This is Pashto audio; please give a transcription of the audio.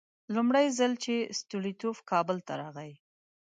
لومړی ځل چې ستولیتوف کابل ته راغی.